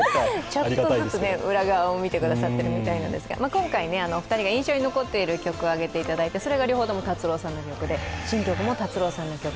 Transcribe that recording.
ちゃんとね、裏側も見ていただいてるみたいなんですが今回、お二人が印象に残っている曲を挙げていただいてそれが両方とも達郎さんの曲で新曲も達郎さんの曲。